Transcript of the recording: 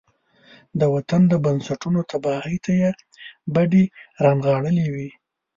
د وطن د بنسټونو تباهۍ ته يې بډې را نغاړلې وي.